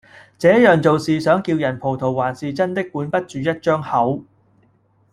這樣做是想叫人葡萄還是真的管不住一張口